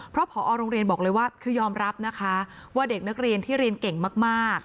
เพราะผอโรงเรียนบอกเลยว่าคือยอมรับนะคะว่าเด็กนักเรียนที่เรียนเก่งมาก